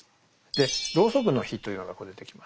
で「ロウソクの火」というのがここ出てきます。